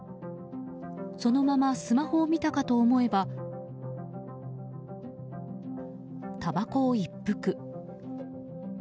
そのままスマホを見たかと思えばたばこを一服。